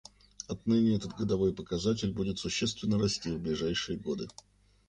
Отныне этот годовой показатель будет существенно расти в ближайшие годы.